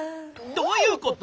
どういうこと？